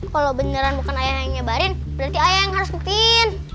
kalau beneran bukan ayah yang nyebarin berarti ayah yang harus buktiin